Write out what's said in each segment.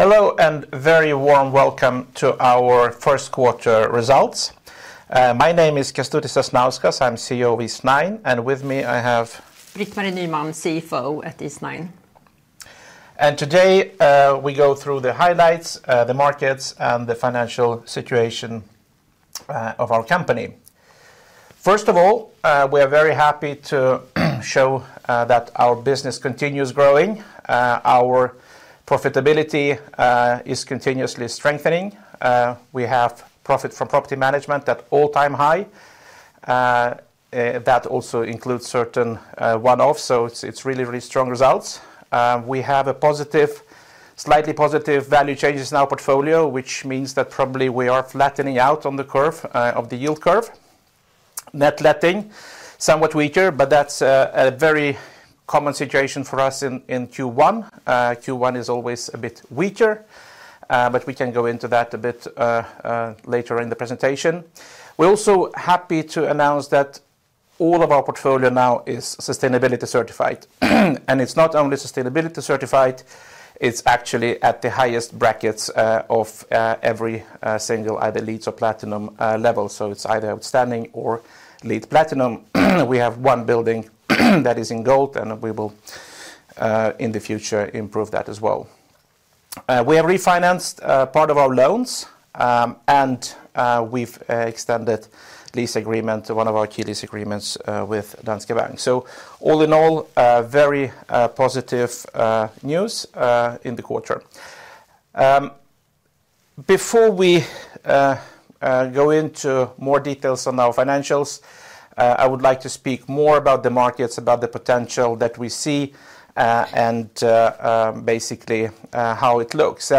Hello, and very warm welcome to our first quarter results. My name is Kestutis Sasnauskas. I'm CEO of Eastnine, and with me I have— Britt-Marie Nyman, CFO at Eastnine. Today, we go through the highlights, the markets, and the financial situation of our company. First of all, we are very happy to show that our business continues growing. Our profitability is continuously strengthening. We have profit from property management at all-time high. That also includes certain one-offs, so it's, it's really, really strong results. We have a slightly positive value changes in our portfolio, which means that probably we are flattening out on the curve of the yield curve. Net letting, somewhat weaker, but that's a very common situation for us in Q1. Q1 is always a bit weaker, but we can go into that a bit later in the presentation. We're also happy to announce that all of our portfolio now is sustainability certified. It's not only sustainability certified. It's actually at the highest brackets of every single either LEED or Platinum level. So it's either Outstanding or LEED Platinum. We have one building that is in Gold, and we will in the future improve that as well. We have refinanced part of our loans, and we've extended lease agreement, one of our key lease agreements with Danske Bank. So all in all, very positive news in the quarter. Before we go into more details on our financials, I would like to speak more about the markets, about the potential that we see, and basically how it looks.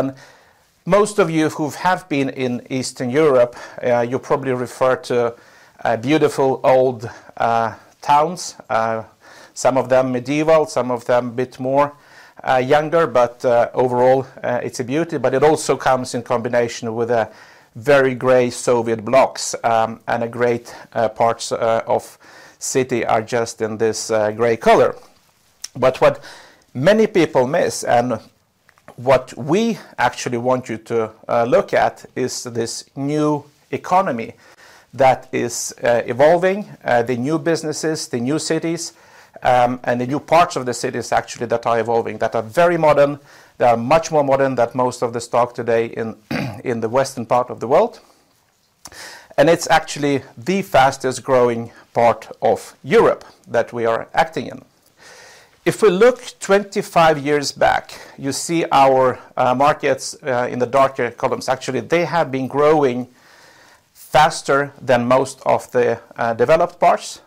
Most of you who have been in Eastern Europe, you probably refer to beautiful old towns. Some of them medieval, some of them a bit more younger, but overall, it's a beauty, but it also comes in combination with very gray Soviet blocks. And a great parts of city are just in this gray color. But what many people miss, and what we actually want you to look at, is this new economy that is evolving the new businesses, the new cities, and the new parts of the cities actually, that are evolving, that are very modern. They are much more modern than most of the stock today in the western part of the world, and it's actually the fastest-growing part of Europe that we are acting in. If we look 25 years back, you see our markets in the darker columns. Actually, they have been growing faster than most of the developed parts.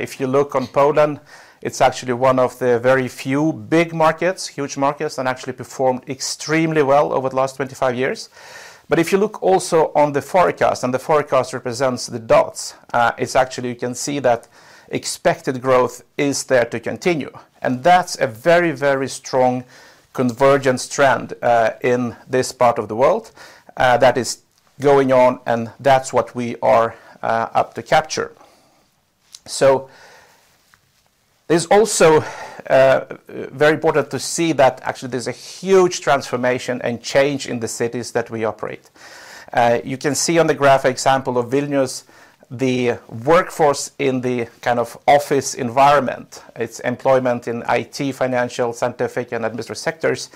If you look on Poland, it's actually one of the very few big markets, huge markets, and actually performed extremely well over the last 25 years. But if you look also on the forecast, and the forecast represents the dots, it's actually—you can see that expected growth is there to continue, and that's a very, very strong convergence trend in this part of the world that is going on, and that's what we are out to capture. So it's also very important to see that actually there's a huge transformation and change in the cities that we operate. You can see on the graph example of Vilnius, the workforce in the kind of office environment, it's employment in IT, financial, scientific, and administrative sectors,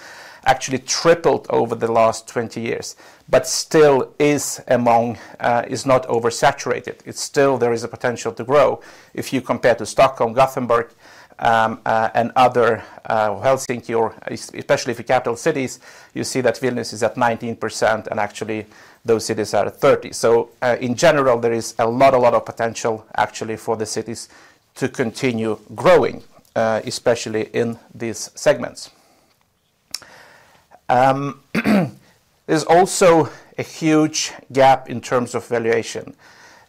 actually tripled over the last 20 years, but still is among—is not oversaturated. It's still, there is a potential to grow. If you compare to Stockholm, Gothenburg, and other, Helsinki or especially the capital cities, you see that Vilnius is at 19%, and actually, those cities are at 30%. So, in general, there is a lot, a lot of potential actually for the cities to continue growing, especially in these segments. There's also a huge gap in terms of valuation.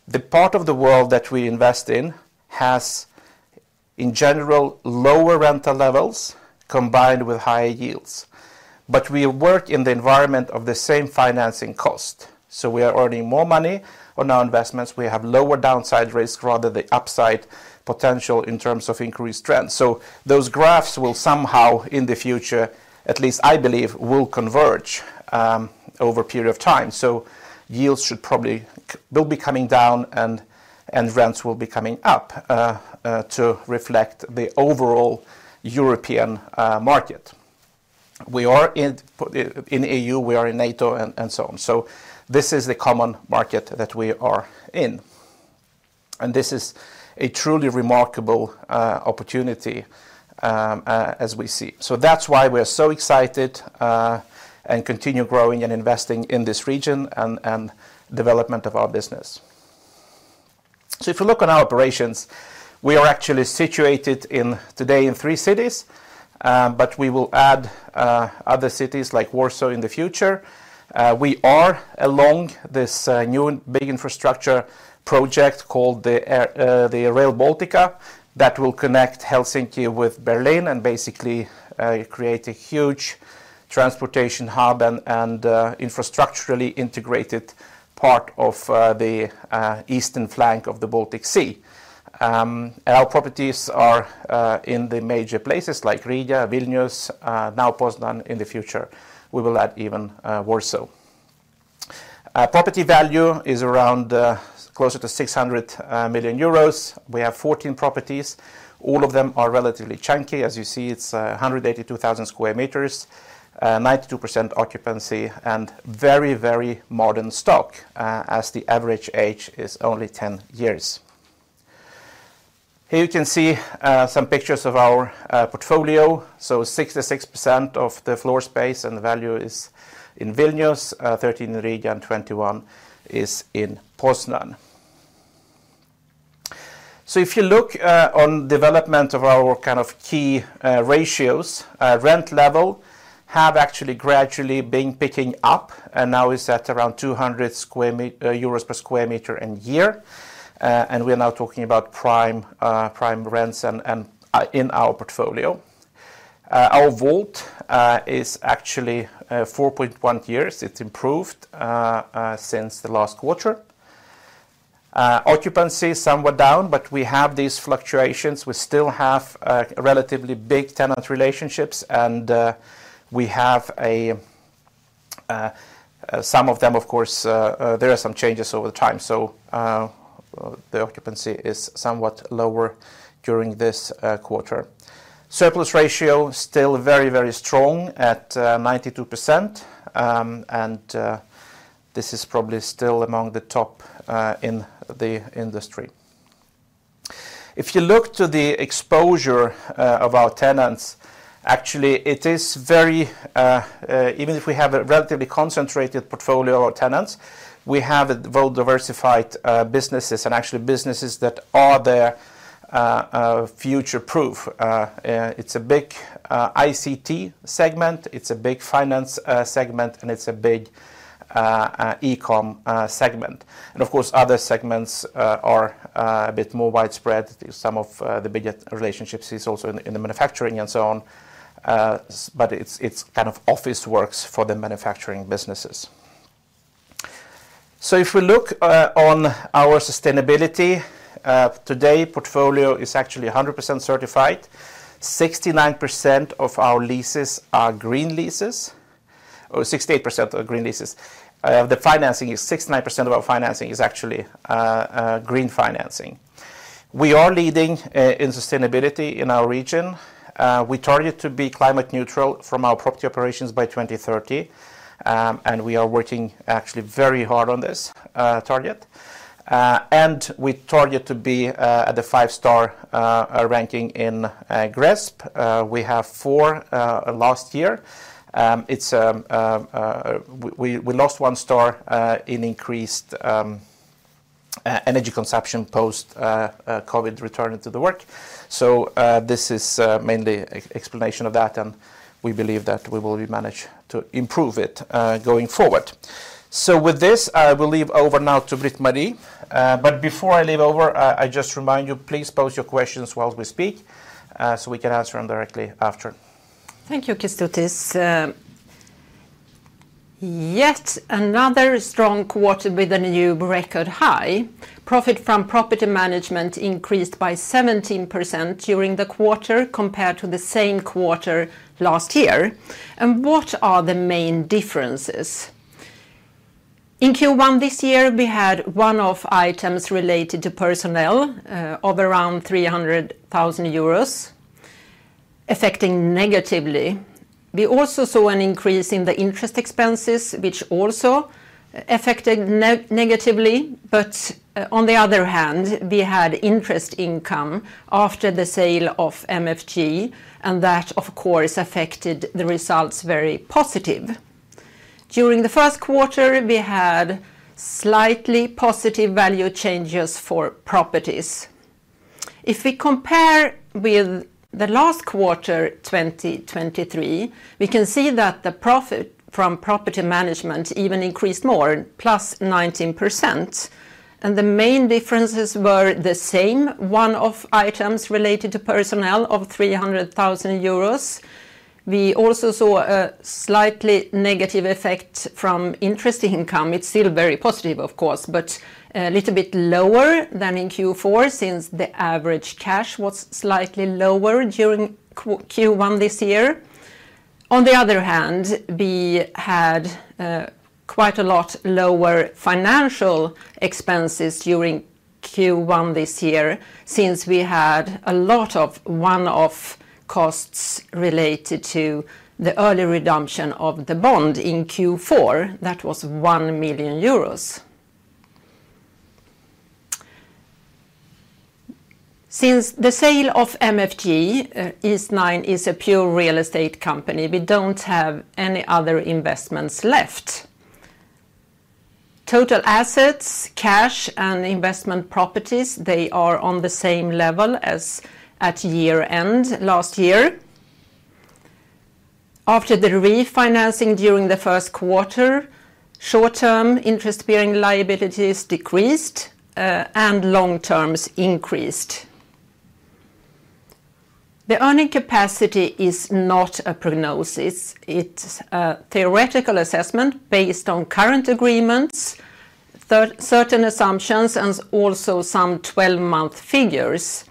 The part of the world that we invest in has, in general, lower rental levels combined with higher yields. But we work in the environment of the same financing cost, so we are earning more money on our investments. We have lower downside risk, rather the upside potential in terms of increased rent. So those graphs will somehow, in the future, at least I believe, will converge over a period of time. So yields should probably they'll be coming down, and rents will be coming up to reflect the overall European market. We are in in EU, we are in NATO, and so on. So this is the common market that we are in, and this is a truly remarkable opportunity as we see. So that's why we're so excited and continue growing and investing in this region and development of our business. So if you look on our operations, we are actually situated in, today in three cities, but we will add other cities like Warsaw in the future. We are along this new and big infrastructure project called the Rail Baltica, that will connect Helsinki with Berlin, and basically create a huge transportation hub and infrastructurally integrated part of the eastern flank of the Baltic Sea. And our properties are in the major places like Riga, Vilnius, now Poznań. In the future, we will add even Warsaw. Property value is around closer to 600 million euros. We have 14 properties. All of them are relatively chunky. As you see, it's 182,000 sq m, 92% occupancy, and very, very modern stock, as the average age is only 10 years. Here you can see some pictures of our portfolio. So 66% of the floor space and the value is in Vilnius, 13% in Riga, and 21% in Poznań. So if you look on development of our kind of key ratios, rent level have actually gradually been picking up and now is at around 200 euros per sq m in year. And we are now talking about prime prime rents and and in our portfolio. Our WAULT is actually 4.1 years. It's improved since the last quarter. Occupancy is somewhat down, but we have these fluctuations. We still have relatively big tenant relationships, and we have some of them, of course, there are some changes over time. So, the occupancy is somewhat lower during this quarter. Surplus ratio, still very, very strong at 92%. And this is probably still among the top in the industry. If you look to the exposure of our tenants, actually, it is very—even if we have a relatively concentrated portfolio of tenants, we have a well-diversified businesses, and actually businesses that are there future-proof. It's a big ICT segment, it's a big finance segment, and it's a big e-com segment. And of course, other segments are a bit more widespread. Some of the biggest relationships is also in the manufacturing and so on. But it's kind of office works for the manufacturing businesses. So if we look on our sustainability today, portfolio is actually 100% certified. 69% of our leases are green leases, or 68% are green leases. The financing is—69% of our financing is actually green financing. We are leading in sustainability in our region. We target to be climate neutral from our property operations by 2030, and we are working actually very hard on this target. And we target to be at the five-star ranking in GRESB. We have four last year. It's we lost one star in increased energy consumption post COVID return into the work. So this is mainly explanation of that, and we believe that we will manage to improve it going forward. So with this, I will leave over now to Britt-Marie. But before I leave over, I just remind you, please pose your questions while we speak, so we can answer them directly after. Thank you, Kestutis. Yet another strong quarter with a new record high. Profit from property management increased by 17% during the quarter, compared to the same quarter last year. And what are the main differences? In Q1 this year, we had one-off items related to personnel, of around 300,000 euros, affecting negatively. We also saw an increase in the interest expenses, which also affected negatively. But, on the other hand, we had interest income after the sale of MFG, and that, of course, affected the results very positive. During the first quarter, we had slightly positive value changes for properties. If we compare with the last quarter, 2023, we can see that the profit from property management even increased more, +19%, and the main differences were the same, one-off items related to personnel of 300,000 euros. We also saw a slightly negative effect from interest income. It's still very positive, of course, but a little bit lower than in Q4, since the average cash was slightly lower during Q1 this year. On the other hand, we had quite a lot lower financial expenses during Q1 this year, since we had a lot of one-off costs related to the early redemption of the bond in Q4. That was 1 million euros. Since the sale of MFG, Eastnine is a pure real estate company. We don't have any other investments left. Total assets, cash, and investment properties, they are on the same level as at year-end last year. After the refinancing during the first quarter, short-term interest-bearing liabilities decreased, and long terms increased—the earning capacity is not a prognosis. It's a theoretical assessment based on current agreements, certain assumptions, and also some 12-month figures.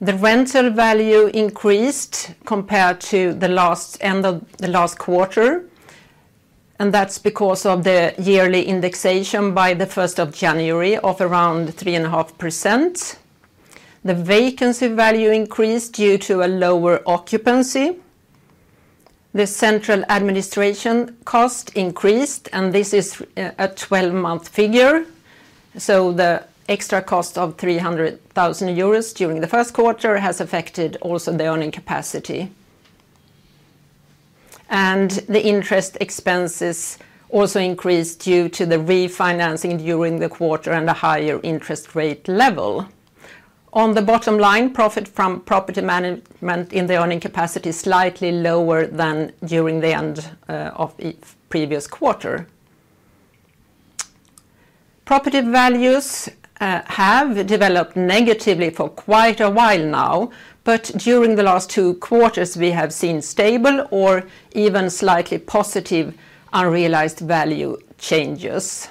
The rental value increased compared to the last end of the last quarter, and that's because of the yearly indexation by the 1st of January of around 3.5%. The vacancy value increased due to a lower occupancy. The central administration cost increased, and this is a 12-month figure, so the extra cost of 300,000 euros during the first quarter has affected also the earning capacity. And the interest expenses also increased due to the refinancing during the quarter and a higher interest rate level. On the bottom line, profit from property management in the earning capacity is slightly lower than during the end of the previous quarter. Property values have developed negatively for quite a while now, but during the last two quarters, we have seen stable or even slightly positive unrealized value changes.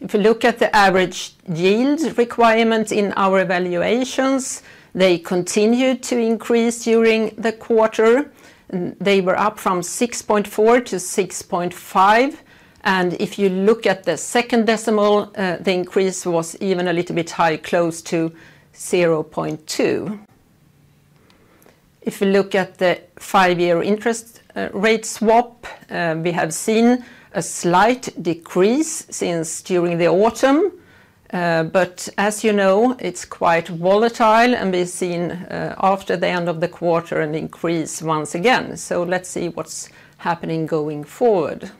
If you look at the average yield requirements in our valuations, they continued to increase during the quarter. They were up from 6.4 to 6.5, and if you look at the second decimal, the increase was even a little bit high, close to 0.2. If you look at the five-year interest rate swap, we have seen a slight decrease since during the autumn. But as you know, it's quite volatile, and we've seen, after the end of the quarter, an increase once again. So let's see what's happening going forward.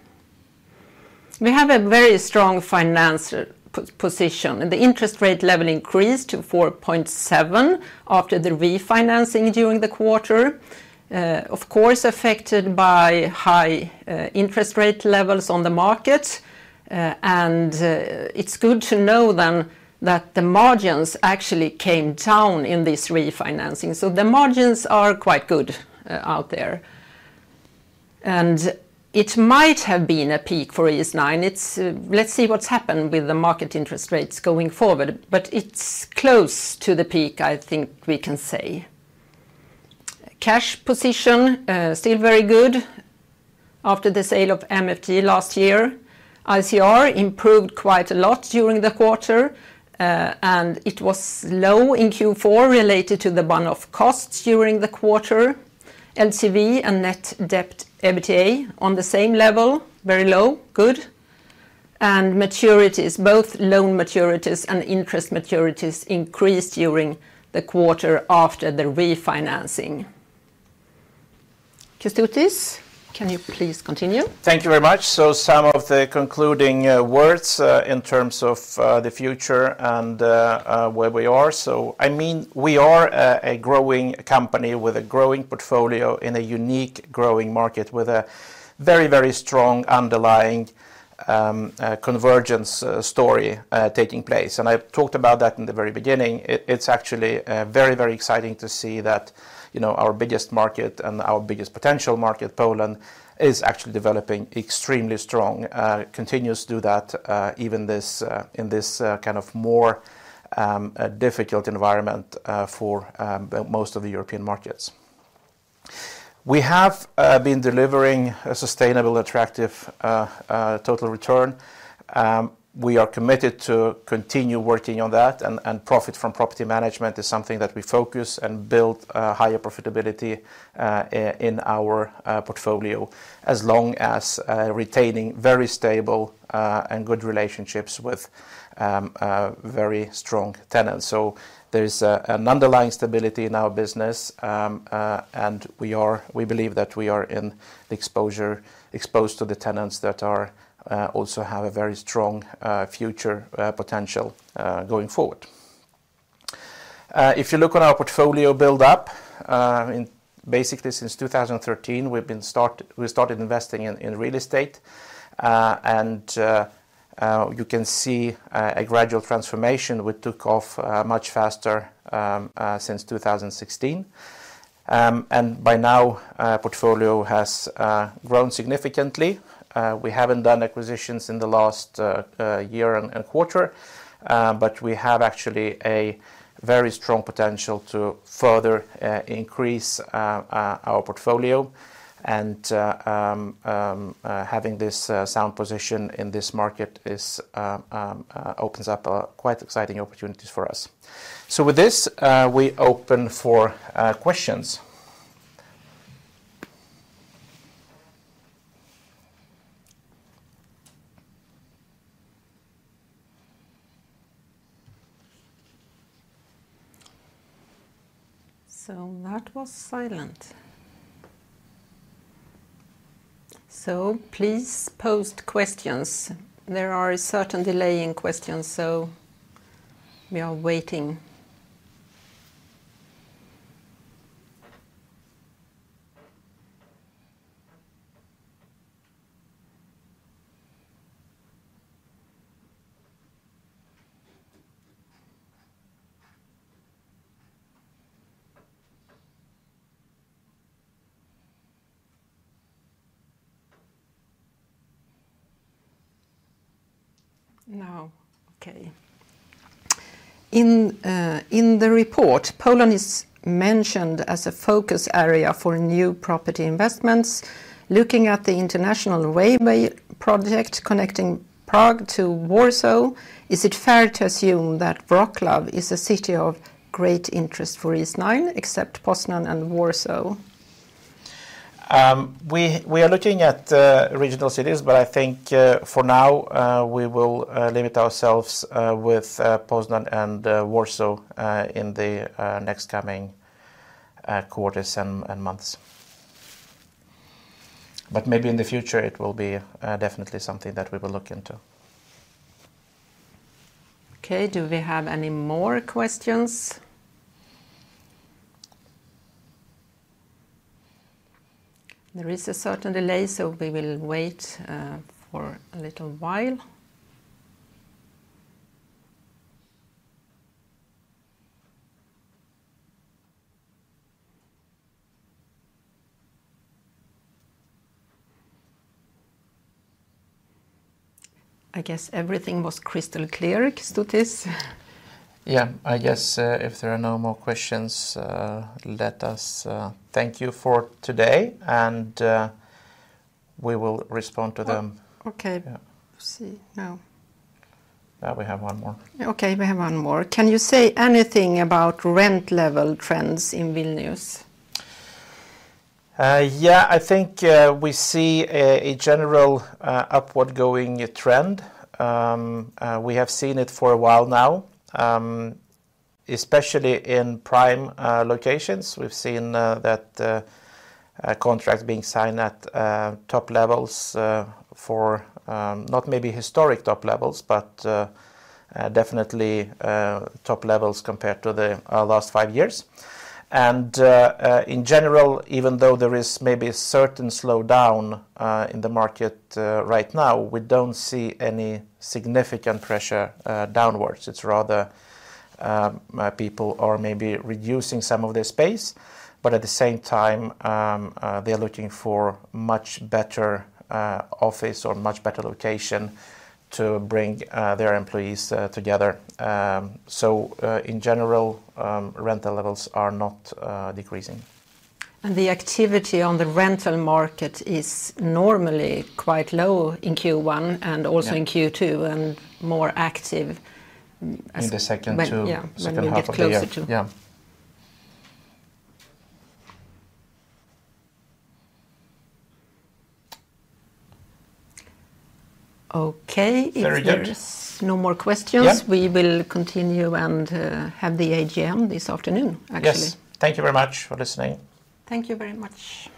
We have a very strong financial position, and the interest rate level increased to 4.7% after the refinancing during the quarter. Of course, affected by high interest rate levels on the market, and it's good to know then that the margins actually came down in this refinancing. So the margins are quite good out there. And it might have been a peak for ICR. It's—let's see what's happened with the market interest rates going forward, but it's close to the peak, I think we can say. Cash position still very good after the sale of MFG last year. ICR improved quite a lot during the quarter, and it was low in Q4, related to the one-off costs during the quarter. LTV and net debt EBITDA on the same level, very low, good, and maturities, both loan maturities and interest maturities, increased during the quarter after the refinancing. Kestutis, can you please continue? Thank you very much. So some of the concluding words in terms of the future and where we are. So, I mean, we are a growing company with a growing portfolio in a unique growing market, with a very, very strong underlying convergence story taking place, and I talked about that in the very beginning. It's actually very, very exciting to see that, you know, our biggest market and our biggest potential market, Poland, is actually developing extremely strong, continues to do that, even in this kind of more difficult environment for most of the European markets. We have been delivering a sustainable, attractive total return. We are committed to continue working on that, and, and profit from property management is something that we focus and build higher profitability in our portfolio, as long as retaining very stable and good relationships with very strong tenants. So there is an underlying stability in our business, and we believe that we are exposed to the tenants that are also have a very strong future potential going forward. If you look on our portfolio build-up, basically, since 2013, we started investing in real estate, and you can see a gradual transformation. We took off much faster since 2016. By now, our portfolio has grown significantly. We haven't done acquisitions in the last year and quarter, but we have actually a very strong potential to further increase our portfolio. And having this sound position in this market is opens up quite exciting opportunities for us. So with this, we open for questions. So that was silent. So please post questions. There are a certain delay in questions, so we are waiting—now, okay. In the report, Poland is mentioned as a focus area for new property investments. Looking at the international railway project connecting Prague to Warsaw, is it fair to assume that Wrocław is a city of great interest for Eastnine, except Poznań and Warsaw? We are looking at regional cities, but I think, for now, we will limit ourselves with Poznań and Warsaw in the next coming quarters and months. But maybe in the future it will be definitely something that we will look into. Okay, do we have any more questions? There is a certain delay, so we will wait for a little while. I guess everything was crystal clear, Kestutis. Yeah. I guess, if there are no more questions, let us thank you for today, and we will respond to them. Oh, okay. Yeah. See, now. Now we have one more. Okay, we have one more. Can you say anything about rent level trends in Vilnius? Yeah, I think we see a general upward going trend. We have seen it for a while now, especially in prime locations. We've seen that contracts being signed at top levels for not maybe historic top levels, but definitely top levels compared to the last five years. In general, even though there is maybe a certain slowdown in the market right now, we don't see any significant pressure downwards. It's rather people are maybe reducing some of their space, but at the same time, they're looking for much better office or much better location to bring their employees together. So, in general, rental levels are not decreasing. The activity on the rental market is normally quite low in Q1 and also in Q2, and more active— In the second two- Yeah. Second half of the year. When we get closer to. Yeah. Okay. Very good. If there is no more questions? Yeah We will continue and, have the AGM this afternoon, actually. Yes. Thank you very much for listening. Thank you very much.